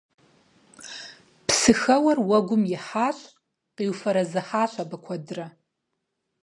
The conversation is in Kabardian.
Псыхэуэр уэгум ихьащ. Къиуфэрэзыхьащ абы куэдрэ.